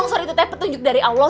kang sorry itu teh petunjuk dari allah